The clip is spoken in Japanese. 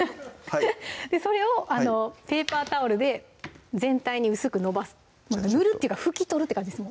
それをペーパータオルで全体に薄く伸ばす塗るっていうか拭き取るって感じです